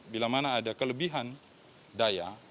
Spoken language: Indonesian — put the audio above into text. bila mana ada kelebihan daya